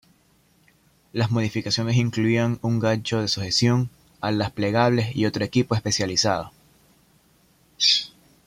Las modificaciones incluían un gancho de sujeción, alas plegables y otro equipo especializado.